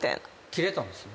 切れたんですね？